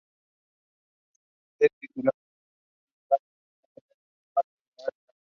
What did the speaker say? Paradise Players Club" y Signorelli abrió un local de tatuajes en Brooklyn.